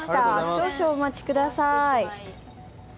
少々お待ちください。